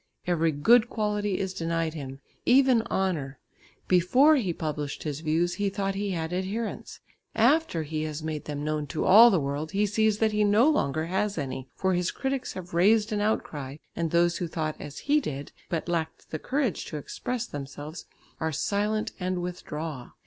Every good quality is denied him, even honour. Before he published his views, he thought he had adherents; after he has made them known to all the world he sees that he no longer has any, for his critics have raised an outcry, and those who thought as he did, but lacked the courage to express themselves, are silent and withdraw.